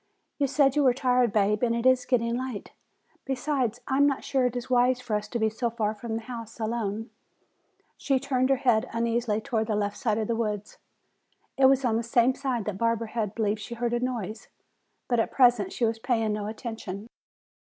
"You said you were tired, Bab, and it is getting late. Besides, I am not sure it is wise for us to be so far from the house alone." She turned her head uneasily toward the left side of the woods. It was on the same side that Barbara had believed she heard a noise. But at present she was paying no attention.